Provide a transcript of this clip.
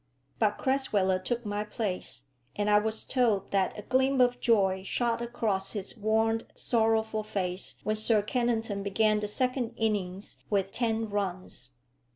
But Crasweller took my place; and I was told that a gleam of joy shot across his worn, sorrowful face when Sir Kennington began the second innings with ten runs.